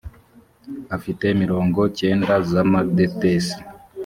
afite mirongo cyenda z amadetesi